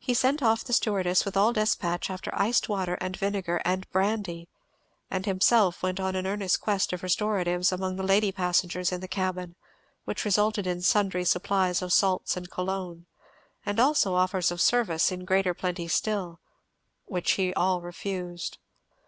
He sent off the stewardess with all despatch after iced water and vinegar and brandy, and himself went on an earnest quest of restoratives among the lady passengers in the cabin, which resulted in sundry supplies of salts and cologne; and also offers of service, in greater plenty still, which he all refused.